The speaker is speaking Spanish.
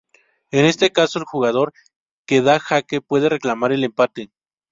En este caso, el jugador que da jaque puede reclamar el empate.